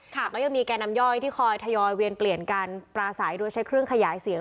ก็ยังมีแก่นำย่อยที่คอยทยอยเวียนเปลี่ยนการปราศัยโดยใช้เครื่องขยายเสียง